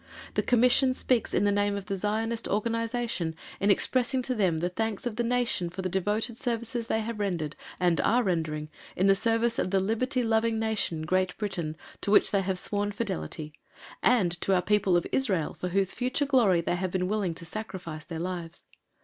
The Commission speaks in the name of the Zionist Organization in expressing to them the thanks of the nation for the devoted services they have rendered and are rendering, in the service of the liberty loving nation, Great Britain, to which they have sworn fidelity, and to our people of Israel for whose future glory they have been willing to sacrifice their lives.